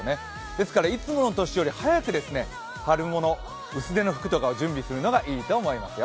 ですから、いつもの年より早く春物薄手の服とかを準備するのがいいと思いますよ。